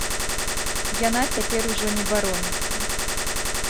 Яна цяпер ужо не бароніцца.